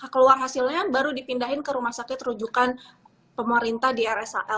keluar hasilnya baru dipindahin ke rumah sakit rujukan pemerintah di rsal